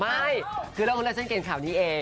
ไม่คือระวังไม่ฉันเก่งข่าวนี้เอง